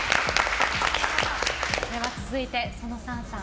続いて、その３さん。